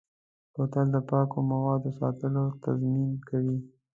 بوتل د پاکو موادو ساتلو تضمین کوي.